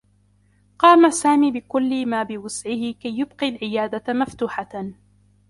قام سامي بكلّ ما بوسعه كي يُبقي العيادة مفتوحة.